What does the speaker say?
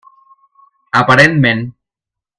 Aparentment.